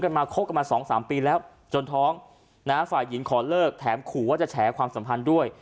มาคบกันมาสองสามปีแล้วจนท้องนะฮะฝ่ายหญิงขอเลิกแถมขู่ว่าจะแฉความสัมพันธ์ด้วย